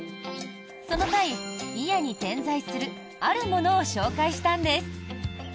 その際、祖谷に点在するあるものを紹介したんです。